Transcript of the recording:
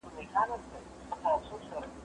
ک